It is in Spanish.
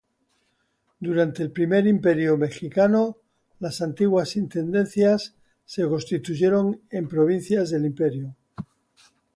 Durante el Primer Imperio Mexicano las antiguas intendencias se constituyeron en provincias del imperio.